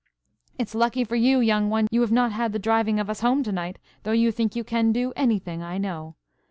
"It's lucky for you, young one, you have not had the driving of us home to night, though you think you can do anything, I know.